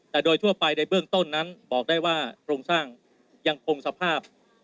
แต่โดยทั่วไปในเบื้องต้นนั้นบอกได้ว่าโครงสร้างยังคงสภาพ